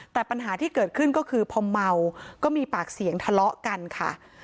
แต่ปัญหาที่เกิดขึ้นก็คือพอเมาก็มีปากเสียงทะเลาะกันค่ะ